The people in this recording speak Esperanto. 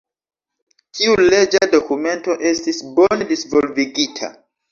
Tiu leĝa dokumento estis bone disvolvigita.